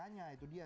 makanya itu dia